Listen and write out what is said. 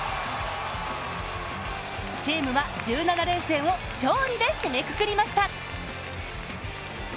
チームは１７連戦を勝利で締めくくりました。